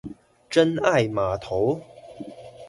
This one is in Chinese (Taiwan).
真愛碼頭